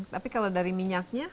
tapi kalau dari minyaknya